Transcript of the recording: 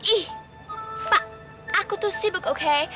ih pak aku tuh sibuk oke